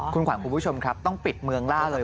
คุณขวัญคุณผู้ชมครับต้องปิดเมืองล่าเลย